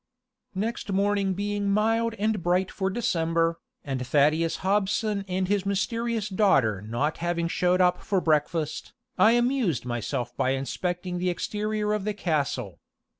Next morning being mild and bright for December, and Thaddeus Hobson and his mysterious daughter not having showed up for breakfast, I amused myself by inspecting the exterior of the castle.